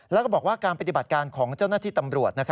แล้วก็บอกว่าการปฏิบัติการของเจ้าหน้าที่ตำรวจ